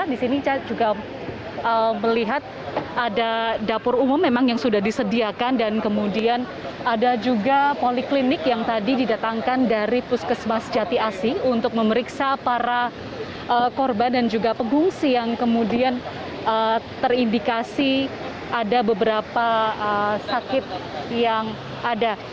di sini saya juga melihat ada dapur umum memang yang sudah disediakan dan kemudian ada juga poliklinik yang tadi didatangkan dari puskesmas jati asing untuk memeriksa para korban dan juga pegungsi yang kemudian terindikasi ada beberapa sakit yang ada